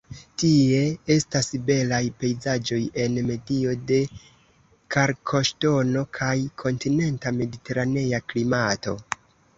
Tie estas belaj pejzaĝoj en medio de kalkoŝtono kaj kontinenta-mediteranea klimato.